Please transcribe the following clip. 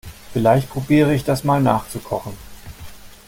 Vielleicht probiere ich das mal nachzukochen.